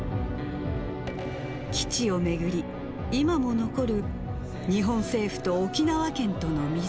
基地を巡り、今も残る日本政府と沖縄県との溝。